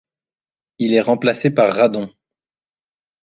Il est remplacé par Radon.